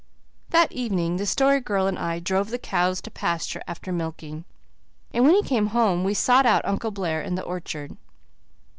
That evening the Story Girl and I drove the cows to pasture after milking, and when we came home we sought out Uncle Blair in the orchard.